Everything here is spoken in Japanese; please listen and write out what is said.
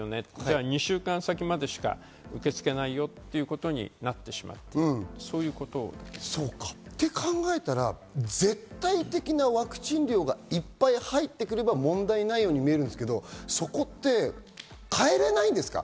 ２週間先までしか受け付けないよということになってしまうということです。と、考えると絶対的なワクチン量がいっぱい入ってくれば問題ないように見えるんですけど、そこって変えれないんですか？